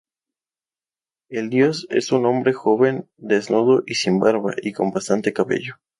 El dios es un hombre joven, desnudo, sin barba y con bastante cabello.